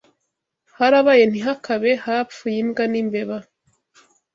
Harabaye ntihakabe, hapfuye imbwa n’imbeba